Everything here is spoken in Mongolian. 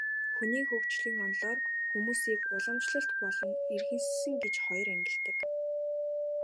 Хүний хөгжлийн онолоор хүмүүсийг уламжлалт болон иргэншсэн гэж хоёр ангилдаг.